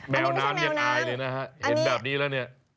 แมวน้ำยังอายเลยนะฮะเห็นแบบนี้แล้วเนี่ย